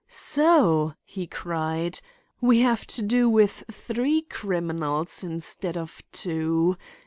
"So!" he cried, "we have to do with three criminals instead of two.